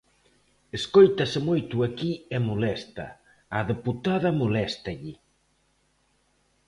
Escóitase moito aquí e molesta, á deputada moléstalle.